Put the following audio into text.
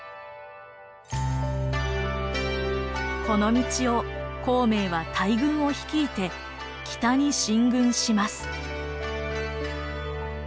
この道を孔明は大軍を率いて北に進軍します。